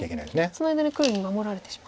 その間に黒に守られてしまうと。